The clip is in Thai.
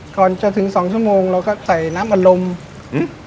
ก่อนจะถึงสองชั่วโมงเราก็ใส่น้ำอารมณ์อืม